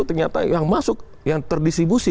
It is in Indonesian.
ternyata yang masuk yang terdistribusi